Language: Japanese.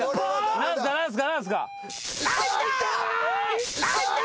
何すか？